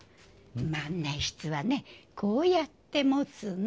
万年筆はねこうやって持つの。